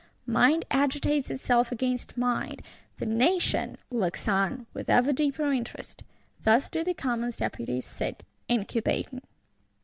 Mind agitates itself against mind; the Nation looks on with ever deeper interest. Thus do the Commons Deputies sit incubating.